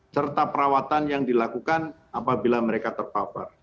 serta perawatan yang dilakukan apabila mereka terpapar